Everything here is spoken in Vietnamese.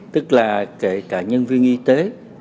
tức là kể cả nhân viên y tế